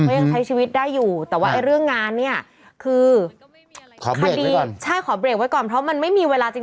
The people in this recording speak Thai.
ยังใช้ชีวิตได้อยู่แต่ว่าไอ้เรื่องงานเนี่ยคือคดีใช่ขอเบรกไว้ก่อนเพราะมันไม่มีเวลาจริง